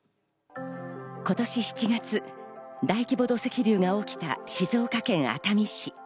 今年７月、大規模土石流が起きた静岡県熱海市。